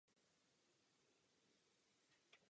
Slyšel jsem pouze posledních deset slov.